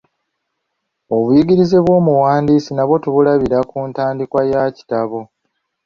Obuyigirize bw'omuwandiisi nabwo tubulabira ku ntandikwa ya kitabo.